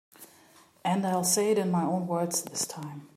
And I'll say it in my own words this time.